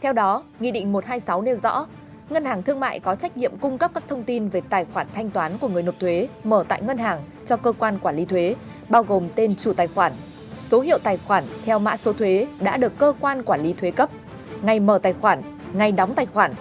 theo đó nghị định một trăm hai mươi sáu nêu rõ ngân hàng thương mại có trách nhiệm cung cấp các thông tin về tài khoản thanh toán của người nộp thuế mở tại ngân hàng cho cơ quan quản lý thuế bao gồm tên chủ tài khoản số hiệu tài khoản theo mã số thuế đã được cơ quan quản lý thuế cấp ngày mở tài khoản ngày đóng tài khoản